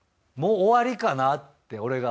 終わりかなって。